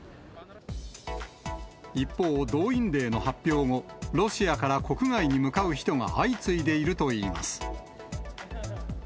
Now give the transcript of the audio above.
一方、動員令の発表後、ロシアから国外に向かう人が相次いでいるといいます。